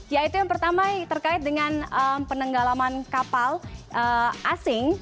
yaitu yang pertama terkait dengan penenggalaman kapal asing